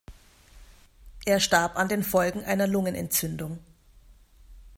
Er starb an den Folgen einer Lungenentzündung.